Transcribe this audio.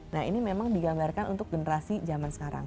nah ini memang digambarkan untuk generasi zaman sekarang